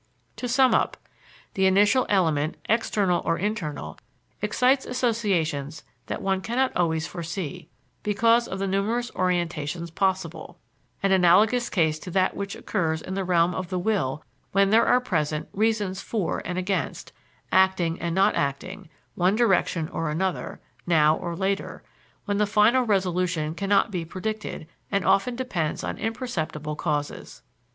To sum up: The initial element, external or internal, excites associations that one cannot always foresee, because of the numerous orientations possible; an analogous case to that which occurs in the realm of the will when there are present reasons for and against, acting and not acting, one direction or another, now or later when the final resolution cannot be predicted, and often depends on imperceptible causes.